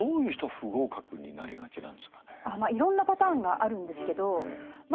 逆にいろんなパターンがあるんですけどま